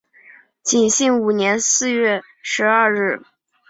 景兴五年四月十二日。